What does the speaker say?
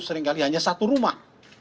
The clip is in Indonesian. seringkali hanya satu rumah